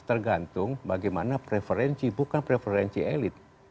tergantung bagaimana preferensi bukan preferensi elit